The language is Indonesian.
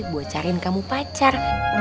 buat cariin kamu pacar